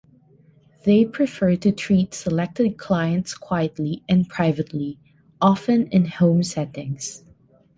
They prefer to treat selected clients quietly and privately, often in home settings.